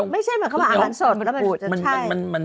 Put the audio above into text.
ไม่ใช่เค้ามาอาหารสด